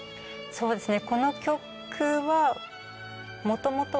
そうですね。